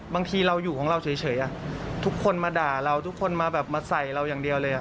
บางทีเราอยู่ของเราเฉยทุกคนมาด่าเราทุกคนมาแบบมาใส่เราอย่างเดียวเลย